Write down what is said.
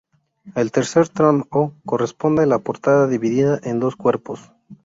El "tercer tram"o, corresponde a la portada dividida en dos cuerpos.